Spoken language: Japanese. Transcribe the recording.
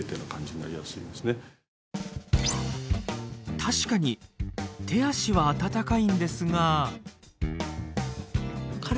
確かに手足は温かいんですが。